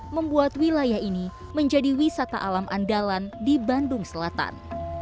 membuat wilayah ini menjadi wisata alam andalan di bandung selatan